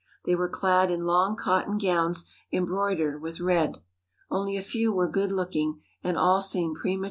They were clad in long cotton gowns em broidered with red. Only a few were good looking and all seemed prematurely old.